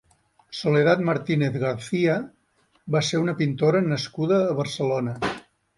Soledad Martínez García va ser una pintora nascuda a Barcelona.